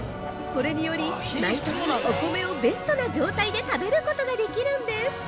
これにより、毎年お米をベストな状態で食べることができるんです。